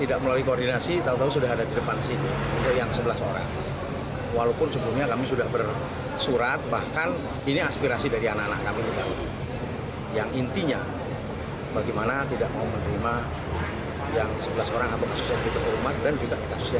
alasannya menolak sebelas orang itu apa pak